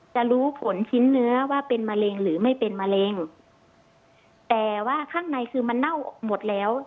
จะรู้ผลชิ้นเนื้อว่าเป็นมะเร็งหรือไม่เป็นมะเร็งแต่ว่าข้างในคือมันเน่าหมดแล้ว